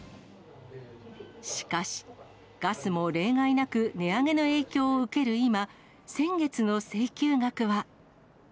しかし、ガスも例外なく、値上げの影響を受ける今、先月の請求額は。